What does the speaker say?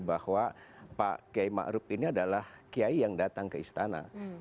bahwa pak kiai ma'ruf ini adalah kiai yang datang ke istana